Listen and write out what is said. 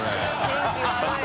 天気悪い。